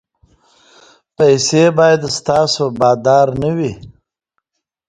پیسې باید ستاسو بادار نه وي.